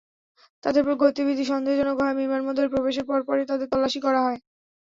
তাঁদের গতিবিধি সন্দেহজনক হওয়ায় বিমানবন্দরে প্রবেশের পরপরই তাঁদের তল্লাশি করা হয়।